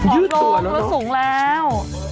ยืดตัวแล้วเนอะหอมโล่งลูกสูงแล้ว